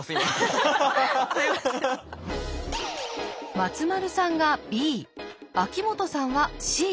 松丸さんがＢ秋元さんはＣ。